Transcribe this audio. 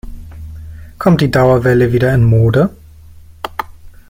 Kommt die Dauerwelle wieder in Mode?